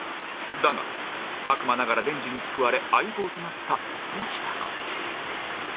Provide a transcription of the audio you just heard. だが悪魔ながらデンジに救われ相棒となったポチタが